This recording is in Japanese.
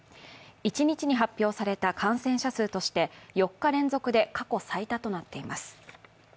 一日に発表された感染者数として４日連続で過去最多となっています。